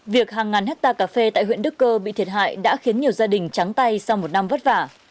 việc hàng ngàn hectare cà phê tại huyện đức cơ bị thiệt hại đã khiến nhiều gia đình trắng tay sau một năm vất vả